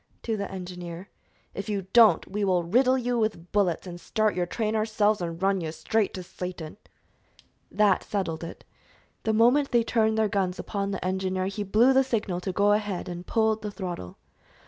to the engineer. "If you don't, we will riddle you with bullets and start your train ourselves and run you straight to Satan!" That settled it. The moment they turned their guns upon the engineer he blew the signal to go ahead, and pulled the throttle.